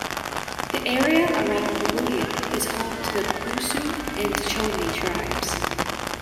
The area around Webuye is home to the Bukusu and Tachoni tribes.